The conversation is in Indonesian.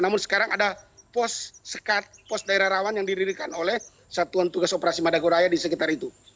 namun sekarang ada pos sekat pos daerah rawan yang didirikan oleh satuan tugas operasi madagoraya di sekitar itu